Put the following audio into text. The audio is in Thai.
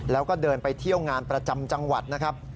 แล้วก็เดินไปเที่ยวงานประจำจังหวัดนะครับ